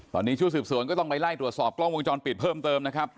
ตอนนี้ชุดสืบสวนก็ต้องไปไล่ตรวจสอบกล้องวงจรปิดเพิ่มเติมนะครับ